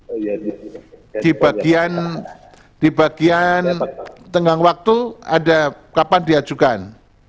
oh iya di bagian di bagian tenggang waktu ada kapan diajukan